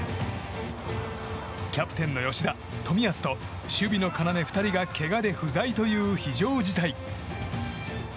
キャプテンの吉田、冨安と守備の要２人がけがで不在という非常事態。